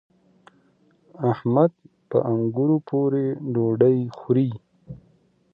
احمد په انګورو پورې ډوډۍ خوري.